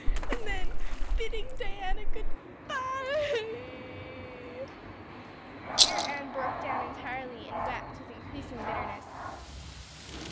And then bidding Diana goodbye e e " Here Anne broke down entirely and wept with increasing bitterness.